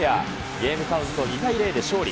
ゲームカウント２対０で勝利。